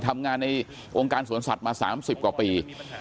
ทำงานในองค์การสวนสัตว์มา๓๐กว่าปี